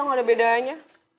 nggak ada bedanya